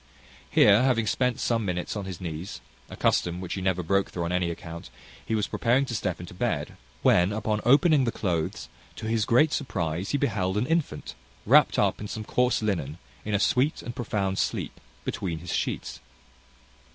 Here, having spent some minutes on his knees a custom which he never broke through on any account he was preparing to step into bed, when, upon opening the cloathes, to his great surprize he beheld an infant, wrapt up in some coarse linen, in a sweet and profound sleep, between his sheets.